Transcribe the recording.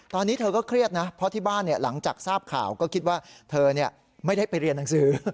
ตอนนี้เธอก็เครียดนะเพราะที่บ้านหลังจากทราบข่าวก็คิดว่าเธอไม่ได้ไปเรียนหนังสือ